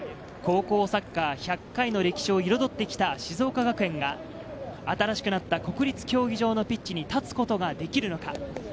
高校サッカー１００回の歴史を彩ってきた静岡学園が新しくなった国立競技場のピッチに立つことができるのか？